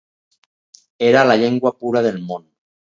Era la llengua pura del món.